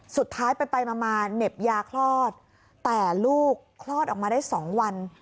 สุดท้ายไปไปมาเหน็บยาคลอดแต่ลูกคลอดออกมาได้๒วัน